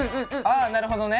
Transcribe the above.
ああなるほどね。